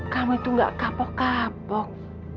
kamu itu gak kapok kapok